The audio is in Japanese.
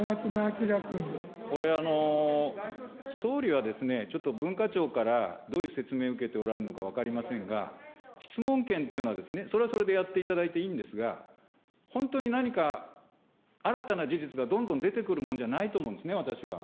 これ、総理はですね、ちょっと文化庁からどういう説明受けておられるのか分かりませんが、質問権というのはですね、それはそれでやっていただいていいんですが、本当に何か新たな事実がどんどん出てくるもんじゃないと思うんですね、私は。